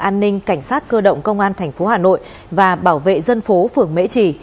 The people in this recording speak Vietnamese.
an ninh cảnh sát cơ động công an tp hà nội và bảo vệ dân phố phường mễ trì